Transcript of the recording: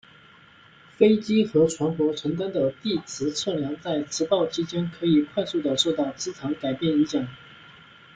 飞机和船舶承担的地磁测量在磁暴期间可以快速的受到磁场改变影响。